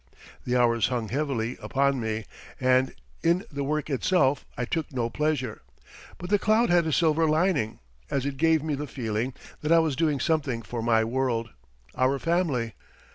The hours hung heavily upon me and in the work itself I took no pleasure; but the cloud had a silver lining, as it gave me the feeling that I was doing something for my world our family.